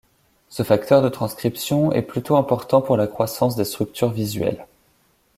Ce facteur de transcription est plutôt important pour la croissance des structures visuelles.